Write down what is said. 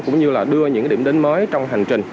cũng như là đưa những điểm đến mới trong hành trình